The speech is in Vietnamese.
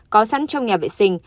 có sẵn trong nhà vệ sinh